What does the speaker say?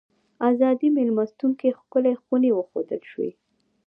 ازادۍ مېلمستون کې ښکلې خونې وښودل شوې.